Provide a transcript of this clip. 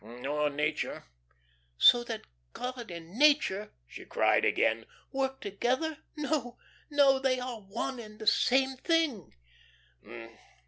"Or nature." "So that God and nature," she cried again, "work together? No, no, they are one and the same thing."